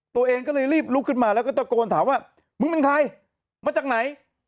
ตัวเองก็เลยรีบลุกขึ้นมาแล้วก็ตะโกนถามว่ามึงเป็นใครมาจากไหน